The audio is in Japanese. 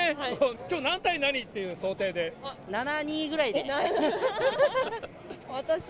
きょう何対何っていう７ー２ぐらいで。